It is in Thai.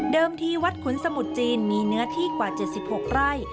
ที่วัดขุนสมุทรจีนมีเนื้อที่กว่า๗๖ไร่